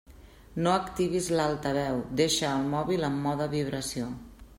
No activis l'altaveu, deixa el mòbil en mode vibració.